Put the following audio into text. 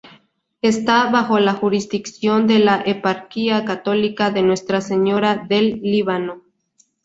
Está bajo la jurisdicción de la Eparquía católica de Nuestra Señora del Líbano.